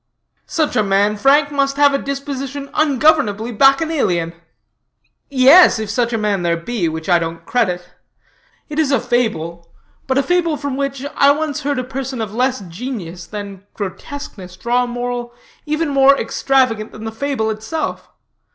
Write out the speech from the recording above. '" "Such a man, Frank, must have a disposition ungovernably bacchanalian." "Yes, if such a man there be, which I don't credit. It is a fable, but a fable from which I once heard a person of less genius than grotesqueness draw a moral even more extravagant than the fable itself.